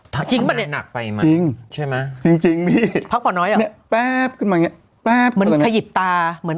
เท่านั้นนักไปไหมจริงจริงพักก่อนน้อยแป๊บขึ้นมาเงี่ยมันขยิบตาเหมือน